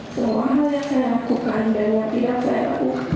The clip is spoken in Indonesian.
semua hal yang saya lakukan dan yang tidak saya lakukan